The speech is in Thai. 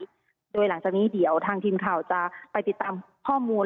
รึถึงสนิทไหนโดยหลังจากนี้เดี๋ยวทางทีมข่าวจะไปติดตามพ่อมูล